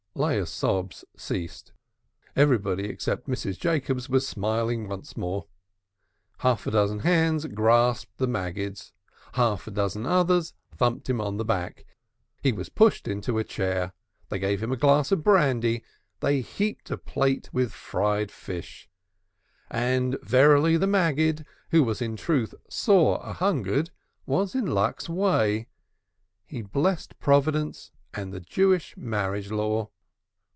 Leah's sobs ceased. Everybody except Mrs. Jacobs was smiling once more. Half a dozen, hands grasped the Maggid's; half a dozen others thumped him on the back. He was pushed into a chair. They gave him a glass of brandy, they heaped a plate with fried fish. Verily the Maggid, who was in truth sore ahungered, was in luck's way. He blessed Providence and the Jewish Marriage Law.